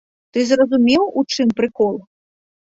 Ты зразумеў, у чым прыкол?